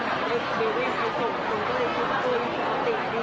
ก็ในส่วนของรายละเอียดเราขอเออไม่ตรงดูกันของรายละเอียดนะคะ